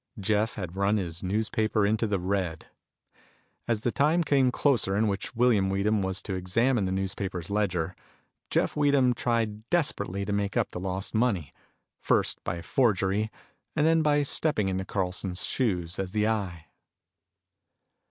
Jeff had run his newspaper into the red. As the time came closer in which William Weedham was to examine the newspaper's ledger, Jeff Weedham tried desperately to make up the lost money, first by forgery, and then by stepping into Carlson's shoes as the Eye.